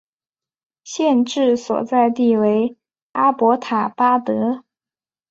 县治所在地为阿伯塔巴德。